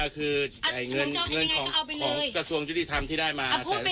คือเงินของกระทรวงยุติธรรมที่ได้มา